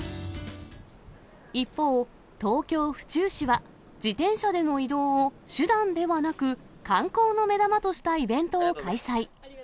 一方、東京・府中市は、自転車での移動を手段ではなく、観光の目玉としたイベントを開催。